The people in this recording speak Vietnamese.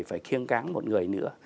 phải khiêng cáng một người nữa